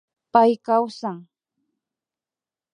Pay kawsan